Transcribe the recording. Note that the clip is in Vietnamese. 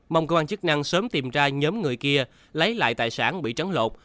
mong cơ quan chức năng sớm tìm ra nhóm người kia lấy lại tài sản bị trắng lột